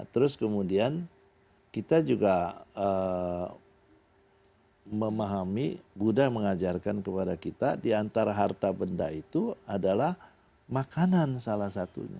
terus kemudian kita juga memahami buddha mengajarkan kepada kita diantara harta benda itu adalah makanan salah satunya